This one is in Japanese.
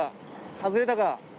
外れたか？